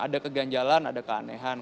ada keganjalan ada keanehan